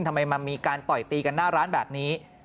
ทำไมมันมีการต่อยตีกันหน้าร้านแบบนี้